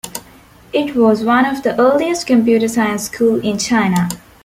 It was one of the earliest computer science school in China.